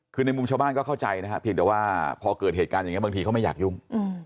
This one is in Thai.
คือในมุมชาวบ้านก็เข้าใจนะฮะเพียงแต่ว่าพอเกิดเหตุการณ์อย่างนี้บางทีเขาไม่อยากยุ่ง